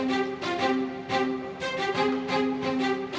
tidak apa apa nat